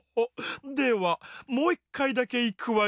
ではもういっかいだけいくわよ。